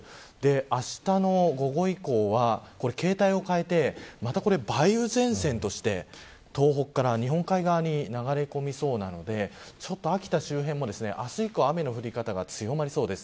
あしたの午後以降は形態を変えてまた梅雨前線として東北から日本海側に流れ込みそうなので秋田周辺も明日以降雨の降り方が強まりそうです。